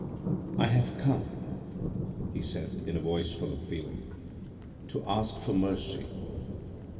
"I have come," he said in a voice full of feeling, "to ask for mercy."